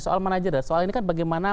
soal mana aja dah soal ini kan bagaimana